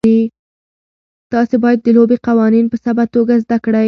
تاسي باید د لوبې قوانین په سمه توګه زده کړئ.